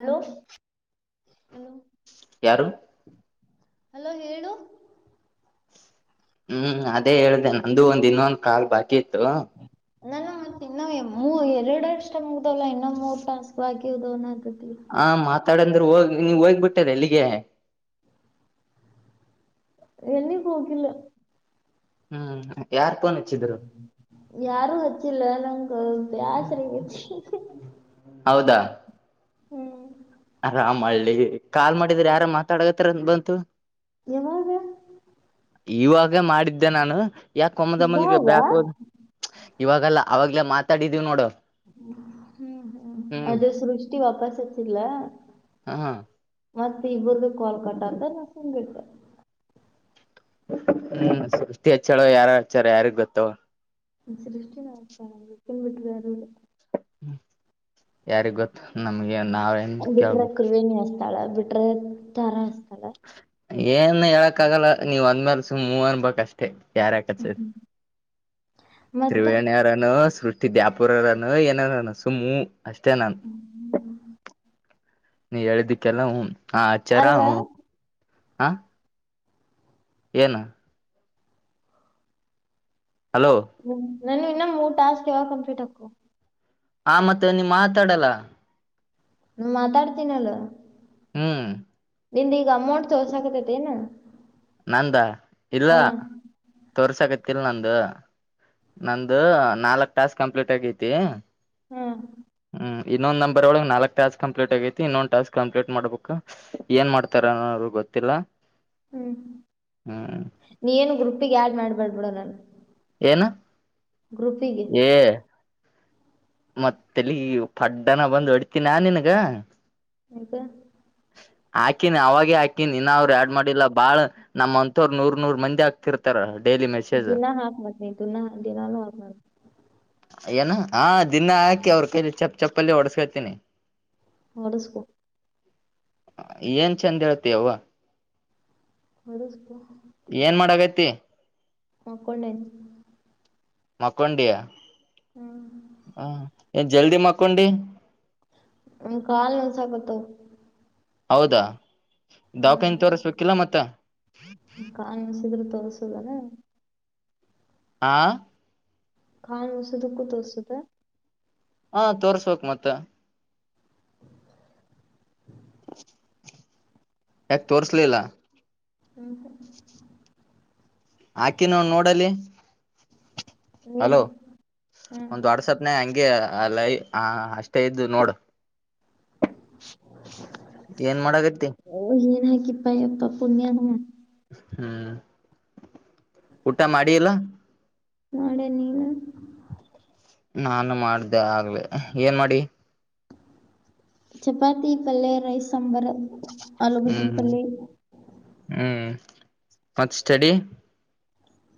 Hello hello ಯಾರು hello ಹೇಳು ಹ್ಮ್ ಅದೇ ಹೇಳ್ದ ನಂದು ಒಂದ್ ಇನ್ನೊಂದ್ ಕಾಲ್ ಬಾಕಿ ಇತ್ತು ನಾನ ಮತ್ತೆ ಇನ್ನು ಮೂ ಎರಡು ಅಷ್ಟ ಮುಗ್ದವಲ್ಲ ಇನ್ನೊ ಮೂರ್ ಟಾಸ್ಕ್ ಹಾಕಿದು ಅನ್ನದು ಹಾ ಮಾತಾಡ ಅಂದ್ರ ಹೋಗಿ ನೀವ ಹೋಗ್ಬಿಟ್ಟದ ಅಲ್ಲಿಗೆ ಎಲಿಗಿ ಹೋಗಿಲ ಹ್ಮ್ ಯಾರ್ ಫೋನ್ ಹಚ್ಚಿದ್ರು ಯಾರು ಹಚ್ಚಿಲ್ ನಂಗು ಬ್ಯಾಸ್ರ ಆಗ್ಯಾತಿ. ಹೌದಾ ಹ್ಮ್ ಆರಾಮಳ್ಳಿ ಕಾಲ್ ಮಾಡಿದ್ರ ಯಾರ ಮಾತಾಡತ್ತಾರ ಬಂತು ಯಾವಾಗ ಇವಾಗ ಮಾಡಿದ್ದೆ ನಾನು ಯಾಕ ಒಮ್ಮೆ ದೊಮ್ಮೆಲಿಗೆ ಇವಾಗ ಬ್ಯಾಕ್ ಹೋಗಿ ಇವಾಗಲ್ಲ ಅವಾಗಲ್ಲಾ ಮಾತಾಡಿದೀವಿ ನೋಡು ಹ್ಮ್ ಹ್ಮ್ ಅದು ಸೃಷ್ಟಿ ವಾಪಸ್ ಹಚ್ಚಿದಲ ಹಾ ಹಾ ಮತ್ತೆ ಇಬ್ರದು ಕಾಲ್ ಕಟ್ಟಾತ ನಾ ಸುಂಬ್ ಬಿಟ್ಟೇ ಹ್ಮ ಸೃಷ್ಟಿ ಹಚ್ಚಳ ಯಾರ ಹಚ್ಚಾರ ಯಾರಿಗೆ ಗೊತ್ತವ ಸೃಷ್ಟಿ ನನ್ ಬಿಟ್ಟ ಬಾರ ಇಲ್ಲ ಹ್ಮ ಯಾರಿಗ್ ಗೊತ್ತು ನಮ್ಗೆ ನಾವೇನ್ ಬಿಟ್ರೆ ಕೇಳ್ಬಕ್ ತ್ರಿವೇಣಿ ಅಚ್ಚುತಾಳ ಬಿಟ್ರೆ ತಾರಾ ಅಚ್ಚುತಾಳ. ಏನ್ ಹೇಳಕ್ ಆಗಲ್ಲ ನೀವ್ ಅಂದ್ಮೇಲೆ ಸುಮ್ ಹು ಅನ್ ಬೇಕ್ ಅಷ್ಟೇ. [unintelligible] ಕಾರಕಚ್ ಮತ್ತ ತ್ರಿವೇಣಿರನು ಸೃ [unintelligible] ದ್ಯಾಪುರರಾನ ಏನಾರಾನ ಸುಮ್ಮು ಊ ಅಷ್ಟೇ ನಾನು. ನೀ ಹೇಳ್ದಕ್ಕೆಲ್ಲ ಹು ಹಚ್ಚಾರ ಹು. ಅಲ್ಲ ಹಾ ಏನು ಹಲೋ ಹ್ಮ್ ನನ್ ಇನ್ನ ಮೂರು ಟಾಸ್ಕ್ ಯಾವಾಗ ಕಂಪ್ಲೀಟ್ ಹಾಕು. ಆ ಮತ್ತೆ ನೀ ಮಾತಾಡಲ್ಲ. ಹ್ಮ ಮಾತಾಡ್ತೀನ ಅಲೋ. ಹ್ಮ್ ನಿಂದ್ ಈಗ ಅಮೌಂಟ್ ತೋಸಕತತಿ ಏನು. ನಂದ ಇಲ್ಲ. ತೋರ್ಸಕತಿಲ್ ನಂದು ನಂದು ನಾಲ್ಕ್ ಟಾಸ್ಕ್ ಕಂಪ್ಲೀಟ್ ಆಗೈತಿ. ಹ್ಮ್ ಇನ್ನೊಂದ್ ನಂಬರ್ ಒಳ ನಾಲ್ಕ್ ಟಾಸ್ಕ್ ಕಂಪ್ಲೀಟ್ ಆಗೈತಿ ಇನ್ನೊಂದ ಟಾಸ್ಕ್ ಕಂಪ್ಲೀ ಟ್ ಮಾಡ್ಬೇಕು ಏನ್ ಮಾಡ್ತಾರ ಅವರು. ಗೊತ್ತಿಲ್ಲ. ಹ್ಮ್ ಹ್ಮ್ ನೀ ಏನು ಗ್ರೂಪಿಗೆ ಆಡ್ ಮಾಡ್ ಬ್ಯಾಡ್ಬಿಡು ನನ್ನ. ಏನ ಗ್ರೂಪಿಗೆ ತಲಿಗೆ ಪಫಡ್ಡನ ಬಂದು ಹೊಡ್ತೀನ ನಿನಗ. ಯಾಕೆ ಹಾಕಿನಿ ಅವಾಗೆ ಹಾಕಿನಿ ಇನ್ನ ಅವ್ರು ಯಾಡ್ ಮಾಡಿಲ್ಲಾ ಬಾಳ ನಮ್ಮ್ಂತ್ತೋರು ನೂರ್ ನೂರ್ ಮಂದಿ ಆಕ್ತಿರ್ತಾರ. ದಿನಾ ಹಾಕ್ ಮಾಡನ ದಿನ ದಿನಾನು ಹಾಕ್ ಏನ ಹಾ ದಿನಾ ಹಾಕಿ ಅವ್ರ ಕೈಲಿ ಚಪ್ಪ್ ಚಪ್ಪಲ್ಲಿ ಹೊಡುಸ್ಕೊತಿನಿ. ಹೊಡುಸ್ಕೊ ಏನ್ ಚಂದ ಏಳ್ತಿಯವ್ವ. ಹೊಡುಸ್ಕೋ. ಏನ್ ಮಾಡಕ್ಕತ್ತಿ. [unintelligible] ಕ್ಕೊಂಡನ್. ಮಕ್ಕೊಂಡಿಯಾ. ಹ್ಮ ಜಲ್ದಿ ಮಕ್ಕೊಂಡಿ. ನನಗ್ ಕಾಲ್ ನೌಸಕ್ಕತ್ತಾವ್. ಹೌದಾ ದವಾಖಾನೆ ಹ್ಮ್ ತೋಸ್ಬೇಕಿಲ್ಲ ಮತ್ತ. ಕಾಲ್ [unintelligible] ಆ ಖನ್ ವಸದು ತೊತ್ಸದ ಹಾ ತೋರ್ಸ್ಬೇಕಕ್ ಮತ್ತ [unintelligible] ತೋರ್ಸುಲಿಲ್ಲ. ಉಹು ಆಕಿ ನವ್ ನೋಡಲ್ಲಿ. ಏನ ಅಲೋ ಹ್ಮ್ ಒಂದು ವಾಡ್ಸಪ್ನಾಗೆ ಹಂಗೆ. ಅಲ್ಲೈ ಹ ಅಷ್ಟೇ ಇದ್ದು ನೋಡು. [unintelligible] ಏನ್ ಮಾಡಕತಿ. [unintelligible] ಪ್ಪ ಪುಣ್ಯಾತ್ಮ. ಹ್ಮ್ ಊಟ ಮಾಡಿ ಇಲ್ಲೊ. ನಾಳೆ ನೀನು ನಾನು ಮಾಡ್ದೆ ಆಗ್ಲಿ ಏನ್ ಮಾಡಿ ಚಪಾತಿ ಇ ಪಲ್ಲಿ ರೈಸ್ ಸಾಂಬಾರ ಆಲೂಗಟ್ಟಿ ಹ್ಮ್ ಹ್ಮ್ ಪಲ್ಲಿ ಹ್ಮ್ ಮತ್ ಸ್ಟಡಿ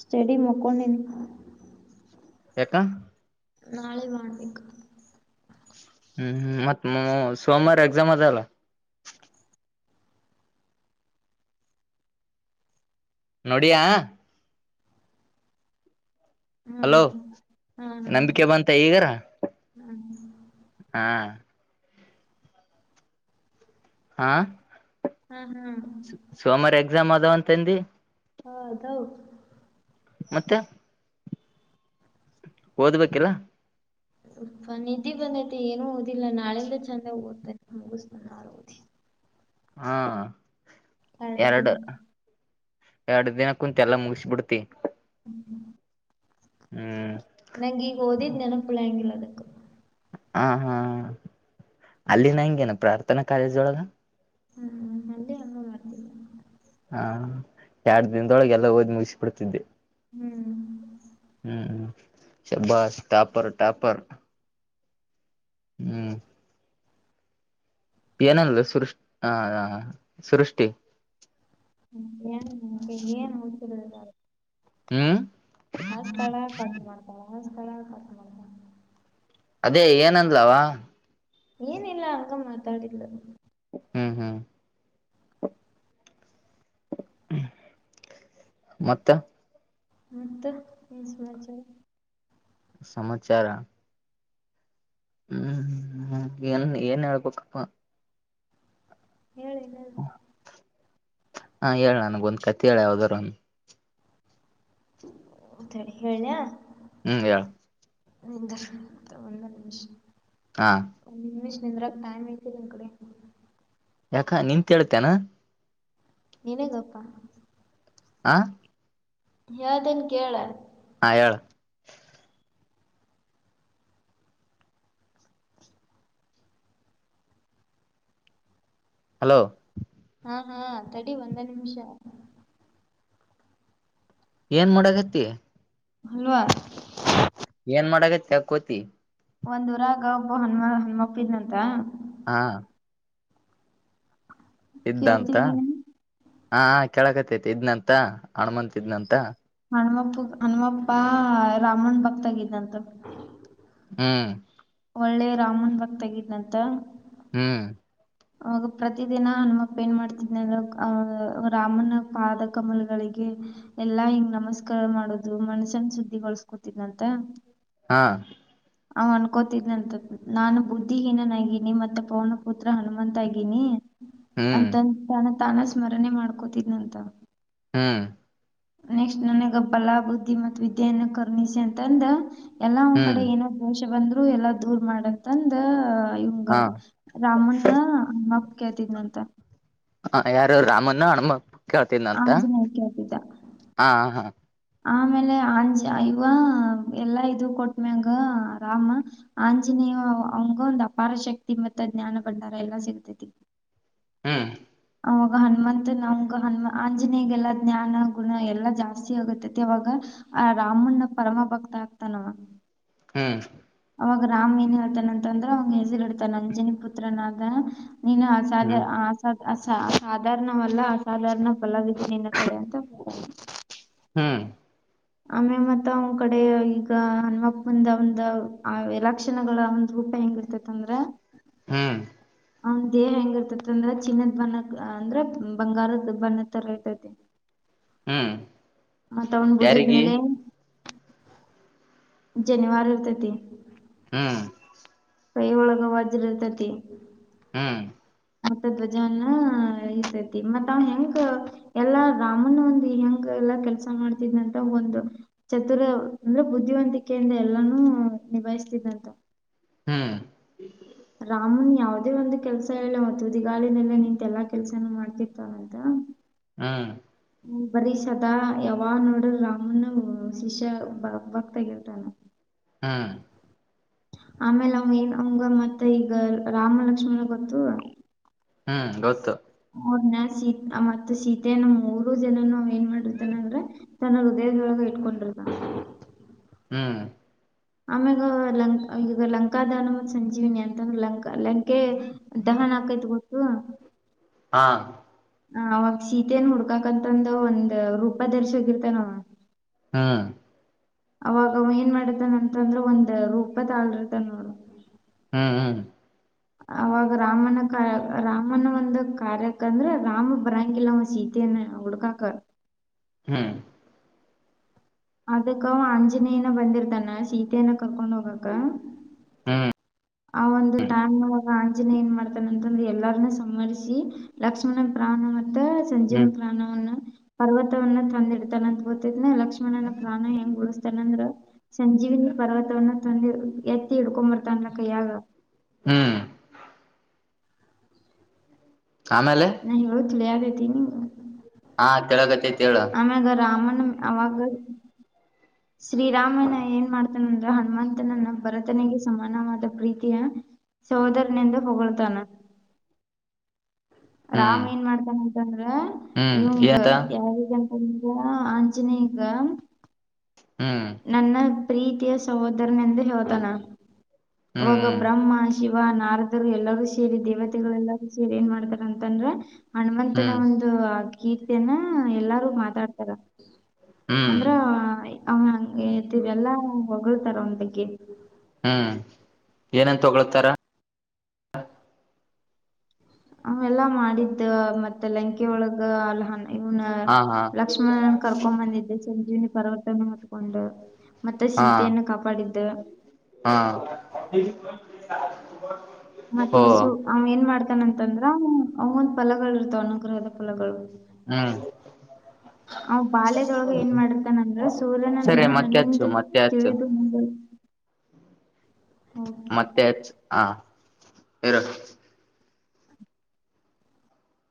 ಸ್ಟೇಡಿ ಮಕ್ಕೊಂಡಿನಿ ಯಕ್ಕ ನಾಳೆ ಮಾಡಬೇಕು ಹ್ಮ್ ಮತ್ತತ್ ಸೋಮವಾರ ಎಕ್ಸಾಮ್ ಅದಲ್ಲ ನೋಡಿಯಾ ಹಲೋ ಹ್ಮ್ ಹ್ಮ್ ನಂಬಿಕೆ ಬಂತ ಈಗಾರ ಹ್ಮ್ ಹಾ ಹಾ ಹಾ ಹ್ಮ ಸೋಮಾರ ಎಕ್ಸಾಮ್ ಅದಾವ ಅಂತಂದಿ ಹಾ ಅದೌ ಮತ್ತೆ ಓದ್ಬೇಕಿಲ್ಲ ನಿದ್ದಿ ಬಂದೈತಿ ಏನುೂ ಓದಿಲ್ಲ ನಾಳಿಂದ ಚೆಂದಾಗ ಓದ್ತಾನೆ ಮುಗಸ್ಳ ಓದಿಲ್ಲ ಹಾ ಎರಡು ದಿನ ಎರಡು ದಿನ ಕುಂತ್ ಎಲ್ಲಾ ಮುಗಸ ಬಿಡ್ತಿ ಹ್ಮ್ ನಂಗ ಈಗ ಓದಿದ್ ನೆನಪುಳ ಹಂಗಿಲ್ಲ ಅದ ಹ ಹಾ ಅಲ್ಲಿ ನ ಹೆಂಗೆನ ಪ್ರಾರ್ಥನಾ ಕಾಲೇಜೊಳಗ ಹ್ಮ ನಂಡೇ ಅಮ್ಮ ಮಾಡ್ತೀನಿ ಹಾ ಎರಡು ದಿನದೊಳಗೆ ಎಲ್ಲ ಹಓದ್ ಮುಗಿಸಿ ಬಿಡ್ತಿದ್ದೆ ಹ್ಮ್ ಹ್ಮ್ ಹ್ಮ್ ಬಸ್ ಟಾಪರ್ ಟಾಪರ್ [inaudible] ಹ್ಮ್ ಏನಲ್ಲ ಸುೃಷ ಹ ಸೃಷ್ಟಿ ಹ ನಮಗೆ ಏನ್ ಹತರದಿಲ್ಲ ಹ್ಮ್ ಆ ಸ್ಥಳ ಪಾಠು ಮಾಡ್ತಾನ ಆ ಸ್ಥಳ ಪಾಠು ಮಾಡ್ತಾನ ಅದೇ ಏನಂದ್ಲವಾ ಏನಿಲ್ಲ ಆಂಗ ಮಾತಾದಿಡ್ಲು ಹ್ಮ್ ಹ್ಮ್ ಮತ್ತ ಮತ್ತ ಈ ಸಮಾಚಾರ ಸಮಾಚಾರ ಹ್ಮ್ ಏನ್ ಏನ್ ಹೇಳ್ಬೇಕಪ್ಪಾ ಹೇಳ ಏನಾರ ಹಾ ಹೇಳ ನನ್ ಗೊಂದ್ ಕಾಯತಿ ಹೇಳ ಯಾವ್ದಾರೂ ಸರಿ ಹೇಳನಯ ಹ್ಮ್ ಹೇಳು ನಿ ಒಂದು ನಿಮಿಷ ಹಾ ಒಂದು ನಿಮಿಷ ನಿಂದ್ರಾಗ ಟೈಮ್ ಐತೆ ನಿನ್ ಕಡೆ ಯಾಕ ನಿಂತೇತೇನಾ ನನ ಗೊಪ್ಪಾ ಆ ಯ್ದನ್ ಕೇಳೇಳ ಹಾ ಏಳ ಹಲೋ ಹಾ ಹಾ ಅ ತಡಿ ಒಂದ ನಿಮಿಷ ಏನ್ ಮಾಡಕತ್ತ ಹಲವಾ ಏನ್ ಮಾಡಗತ್ತ ಕೋತಿ ಒಂದು ರಾಗ ಒಬ್ಬ ಹಣಮ್ಮಪ್ಪಿದ್ನಂತ ಹಾ ಇದ್ದಂತ ಕೇಳ್ತಿದ್ದೇನೆ ಹಾ ಕೇಳಕತತಿ ಇದ್ನಂತ ಹಣಮಂತ ಇದ್ನಂತ ಹಣಮ್ಮಪ್ಪ ಹಣಮ್ಮಪ್ಪ ರಾಮನ್ ಭಕ್ತಗಿದ್ದಂತ ಹ್ಮ್ ಒಳ್ಳೆ ರಾಮನ್ ಭಕ್ತಗಿದ್ನಂತ ಹ್ಮ್ ಅವಾಗ ಪ್ರತ ದಿನ ಹನುಮಪ್ಪ ಏನ್ ಮಾಡ್ತಿದ್ ಅ ರಾಮನ ಪಾದ ಕಮಲ್ಗಳಿಗೆ ಎಲ್ಲಾ ಹಿಂಗ್ ನಮಸ್ಕಾರ ಮಾಡೋದು ಮನ್ಸನ್ ಸುದ್ದಿಗೊಳಸ್ಕೋತಿದ್ಂತ ಹಾ ಅವ್ ಅನ್ಕೋತಿದ್ನಂತ ನಾನು ಬುದ್ಧಿಹೀನನಗಿನಿ ಮತ್ತೆ ಪೌನ ಪುತ್ರ ಹನುಮಂತ ಆಗೀನಿ ಹ್ಮ್ ಅಂತ ತಾನ ತಾನ ಸ್ಮರಣೆ ಮಾಡ್ಕೋತಿದನಂತ ಹ್ಮ್ ನೆಕ್ಸ್ಟ್ ನನಗ ಬಲಾ ಬುದ್ಧಿ ಮತ್ತು ವಿದ್ಯೆಯನ್ನ ಕರ್ಣಿಸಿ ಅಂತಂದ ಎಲ್ಲಾ ಒನ್ ಕಡೆ ಹ್ಮ್ ಏನೋ ಕ್ಲೋಷ ಬಂದ್ರು ಎಲ್ಲಾ ದೂರ್ ಮಾಡಂತಂದ ಇವಂಗ ಹಾ ರಾಮಣ್ಣ ಅಮ್ಮಪ್ಪ ಕೇಳ್ತಿದಂತ ಹ ಯಾರು ರಾಮನ್ನ ಹಣ ಕೇಳ್ತನಂತ ಆಂಜನೇಯ ಕೇಳ್ತಿದ್ದ. ಹಾ ಹಾ ಆಮೇಲೆ ಆಂಜಿ ಅಯವ ಎಲ್ಲಾ ಇದು ಕೊಟ್ಮ್ಯಂಗ ರಾಮ ಆಂಜಿನ ನೀವು ಅವಂಗ ಒಂದ್ ಅಪಾರ ಶಕ್ತಿ ಮತ್ತ ಜ್ಞಾನ ಭಂಡಾರ ಎಲ್ಲಾ ಸಿಗತೈತಿ ಹ್ಮ್ ಆಾಗ ಹನುಮಂತ ನಮ್ಗೆ ಹನು ಆಂಜನೇಯಗೆಲ್ಲ ಜ್ಞಾನ ಗುಣ ಎಲ್ಲ ಜಾಸ್ತಿ ಆಗುತ್ತೈತೆ ಅವವಾಗ ಆ ರಾಮಣ್ಣ ಪರಮ ಭಕ್ತ ಆಗ್ತಾನವ ಹ್ಮ್ ಅವಾಗ ರಾಮ್ ಏನ್ ಹೇಳ್ತಾನ ಅಂತಂದ್ರ ಅವ್ ಹೆಸರಿ ಇಡ್ತಾನ ಅಂಜನಿ ಪುತ್ರನಾಗ ನೀನ್ ಆಸಾದ ಹ್ಮ್ ಆಸಾದ ಅಸ ಸಾಧಾರಣವಲ್ಲ ಅಸಾಧಾರಣ ಫಲವತ್ತು ನಿನ್ನ ಕಡೆ ಅಂತ ಹ್ಮ್ ಆಮೇ ಮತ್ತ ಅವ್ ಕಡೆ ಈಗ ಹನುಮಪ್ಪ ಒಂದ ಆ ಎಲಕ್ಷಣಗಳ ಒಂದು ರೂಪಾಯಿ ಹೆಂಗಿರ್ತೇತ್ ಅಂದ್ರ ಹ್ಮ ಹ ದೇಹ ಹೆಂಗ ಇರ್ತತಿ ಅಂದ್ರ ಚಿನ್ನದ್ ಬಣ್ಣಕ್ ಅಂದ್ರ ಬಂಗಾರದ ಬಣ್ಣದ ತರ ಇತತಿ ಹ್ಮ್ ಮತ್ತತ್ ಅವನ್ ಯಾರಿಗಿ ಬುಜದ್ಮೇಲೆ ಜನಿವಾರ ಇರುತತಿ ಹ್ಮ್ ಕೈ ಒಳಗ ವಾಜ್ರಇರುತೈತೇ ಹ್ಮ್ ಮತ್ತ ಧ್ವಜ ಎನ ಇಸೇತಿ ಮತ್ ಅವ ಹೆಂಗ ಎಲ್ಲಾ ರಾಮನ್ ಒಂದು ಹೆಂಗ ಲ್ಲ ಕೆಲಸ ಮಾಡ್ತಿದಂತ ಒಂದು ಚತುರ ಅಂದ್ರೆ ಬುದ್ಧಿವಂತಿಕೆಯಿಂದ ಎಲ್ಲಾನೂ ಬಯಸ್ತಿದ್ದಂತ ಹ್ಮ್ ರಾಮನ್ ಯಾವ್ದೇ ಒಂದು ಕೆಲ್ಸ ಹೇಳ ಮುದಿಗಾಳಿನಲ್ಲ ನಿಂತೆ ಎಲ್ಲಾ ಕೆಲ್ಸನೂ ಮಾಡ್ತಿರ್ತವಂತ ಹ್ಮ್ ಬರೀ ಸದಾ ಯಾವ ನೋಡ್ರಾಮನ್ ಶಿಷ್ಯ ಬ ಬಕ್ತಗಿರ್ತಾನ ಹಾ ಆಮೇಲೆ ಅವ ಏನ್ ಅವಂಗ ಮತ್ತೆ ಈಗ ರಾಮ ಲಕ್ಷ್ಮ ಗೊತ್ತು ಹ್ಮ್ ಗೊತ್ತು ಅವ್ರನ್ನ ಮತ್ತ ಸೀತೆಯನ ಮೂರು ಜನ ಏನ್ ಮಾಡಿರ್ತಾನ ಅಂದ್ರ ತನ್ನ ಹೃದಯದೊಳ ಇಟ್ಕೊಂಡಿ [inaudible] ಹ್ಮ್ ಆಮ್ಯಾಗ ಲಂ ಈಗ ಲಂಕಾದಾನ ಮ ಸಂಜೀವಿನಿ ಅಂತಂದ್ರೆ ಲಂಕಾ ಲಂಕಗೆ ದಹನ ಆಕೈತ್ ಗೊತ್ತು ಹಾ ಹ ಅವಾಗ ಶೀತೇನ್ ಹುಡ್ಕಕ್ಂತಂದು ಒಂದ್ ರೂಪ ದರ್ಶೋಗಿರ್ತಾನಾವ ಹಾ ಅವಾಗ ಏನ್ ಮಾಡತಾನ ಅಂತಂದ್ರ ಒಂದ್ ರೂಪದ ಆಳರತ ನೋಡು ಹ್ಮ್ ಹ್ಮ್ ಅವಾಗ ರಾಮನ ಕಾರ ರಾಮನ ಒಂದು ಕಾರ್ಯಕ್ಕ ಅಂದ್ರೆ ರಾಮ ಬರಂಗಿಲ್ಲ ಸೀತ ಹುಡುಕೋಕ ಹ್ಮ್ ಅದಕ್ಕ ಆಂಜನೇಯನ ಬಂದಿರ್ತಾನ ಸೀತನ ಕರ್ಕೊಂಡುಹೋಗಕ ಹ್ಮ್ ಆ ಒಂದು ಟೈಮ್ವಾಗ ಆಂಜನೇ ಏನ್ ಮಾಡ್ತಾನ ಅಂತಂದ್ರೆ ಎಲ್ಲರನ್ನೂ ಸರಿಸಿ ಲಕ್ಷ್ಮನ ಪ್ರಾಣ ಮ ಸಂಜೀನ ಹ್ಮ್ ಪ್ರಾಣವನ್ನ ಪರ್ವತವವನ್ನು ತಂದಿಡ್ತಾನ ಅಂತ ಗೊತಿದ್ನ ಲಕ್ಷ್ಮ ಲಕ್ಷ್ಮಣನ ಪ್ರಾಣ ಹೆಂಗ ಉಳಿಸ್ತೇನೆ ಅಂದ್ರ ಸಂಜೀವಿನಿ ಪರ್ವತವ್ಣೆ ತಂದು ಎತ್ತಿ ಎಡ್ಕೊ ಬರ್ತಾನಲ್ಲ ಕೈಯಾಗ ಹ್ಮ್ ಆಮೇಲೆ [unintelligible] ಹಾ ಕೆೆಳಕತ್ತೆತ್ತಿ ಆಮೇಗೆ ರಾಮನ್ ಆವಾಗ ಶ್ರೀರಾಮನ ಏನ್ ಮಾಡ್ತಾನಂದ್ರೆ ಹನುಮಂತನನ್ನ ಭರತನಿಗೆ ಸಮಾನವಾದ ಪ್ರೀತಿಯ ಸೋದರನಂದು ಹೊಗಳ್ತಾನ ಹ್ಮ್ ರಾಮ್ ಏನ್ ಮಾಡ್ತಾನಂತಂದ್ರ ಹ್ಮ್ ಇವಂಗ ಏನಂತ ಯಾವಗ ಹಗ ಆಂಜನೇಯಗ ಹ್ಮ್ ನನ್ನ ಪ್ರೀತಿಯ ಸಹೋದರನಂದು ಹೇಳ್ತಾನ ಹ್ಮ್ ಅವಾಗ ಬ್ರಹ್ಮ ಶಿವ ನಾರದರು ಎಲ್ಲಾರೂ ಸೇರಿ ದೇವತೆಗಳು ಎಲ್ಲಾರೂ ಸೇರಿ ಏನ್ ಮಾಡ್ತಾರ ಅಂತಂದ್ರೆ ಹನುಮಂತನ ಹ್ಮ್ ಹ್ಮ್ ಒಂದು ಆ ಕೀರ್ತಿಯನ್ನ ಎಲ್ಲಾರು ಮಾತಾಡ್ತಾರ ಹ್ಮ್ ಅಂದ್ರ ಅವಂತಿವೆಲ್ಲಾ ಹೊಗಳ್ತಾರ ಅವನ ಬಗ್ಗೆ ಹ್ಮ್ ಏನಂತ ಹೊಗಳ್ತಾರ ಅವೆಲ್ಲಾ ಮಾಡಿದ್ದ ಮತ್ತೆ ಲಂಕೆ ಒಳಗ ಅಲ್ಲ ಹ ಇವನ ಹಾ ಹಾ ಲಕ್ಷ್ಮಣನ್ ಕರ್ಕೊಂಡ್ ಬಂದಿದ್ದೆ ಸಂಜೀವನಿ ಪರ್ವತನೆ ಮುತ್ಕೊಂಡು ಹಾ ಹಾ ಮತ್ತ ಓ ಒಂದು ಅವ ಏನ್ ಮಾಡ್ತಾನಂತಂದ್ರ ಅವಂಗೊಂದ್ ಫಲ ಬರತ್ತಾ ಅನುಗ್ರಹದ ಫಲಗಳು ಹ್ಮ್ [inaudible] ಅವ್ ಬಾಲ್ಯದೊಳಗ ಏನ್ ಮಾಡ್ತಾನಂದ್ರ ಸೂರ್ಯನನ್ನ ಸರಿ ಮತ್ತೆ ಹಚ್ಚು ಮತ್ತೆ ಹಚ್ಚು ಏಳಿದು ಮತ್ತೆ ಹ ಇರ